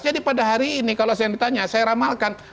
jadi pada hari ini kalau saya ditanya saya ramalkan